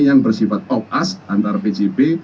yang bersifat off ask antar bjp